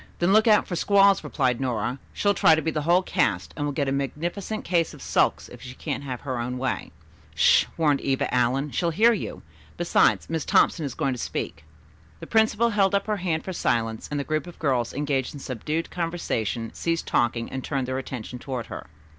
"Then look out for squalls," replied Nora. "She'll try to be the whole cast, and will get a magnificent case of sulks if she can't have her own way." "Sh h h," warned Eva Allen. "She'll hear you. Besides, Miss Thompson is going to speak." The principal held up her hand for silence and the groups of girls engaged in subdued conversation ceased talking and turned their attention toward her.